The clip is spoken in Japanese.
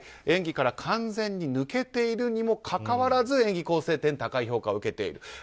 演技から完全に抜けているにもかかわらず演技構成点高い評価を受けている。